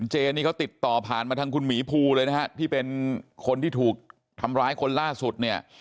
เจนี่เขาติดต่อผ่านมาทางคุณหมีภูเลยนะฮะที่เป็นคนที่ถูกทำร้ายคนล่าสุดเนี่ย